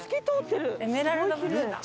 エメラルドブルーだ。